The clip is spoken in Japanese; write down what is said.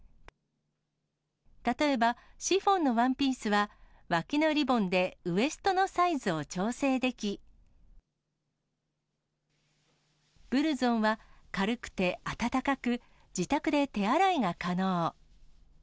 例えば、シフォンのワンピースは、脇のリボンでウエストのサイズを調整でき、ブルゾンは軽くて暖かく、自宅で手洗いが可能。